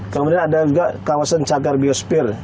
kemudian ada juga kawasan cagar biospir